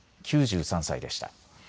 ９３歳でした。